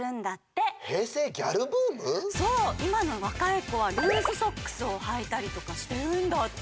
そういまのわかいこはルーズソックスをはいたりとかしてるんだって！